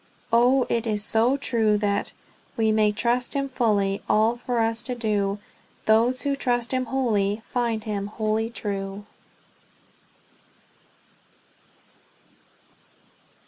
Oh, it is so true that "We may trust him fully All for us to do; Those who trust him wholly Find him wholly true."